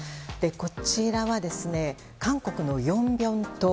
こちら、韓国のヨンピョン島。